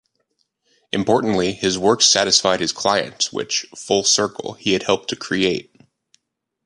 Importantly, his works satisfied his clients, which, full-circle, he had helped to create.